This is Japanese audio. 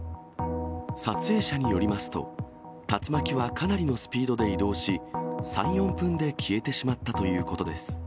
撮影者によりますと、竜巻はかなりのスピードで移動し、３、４分で消えてしまったということです。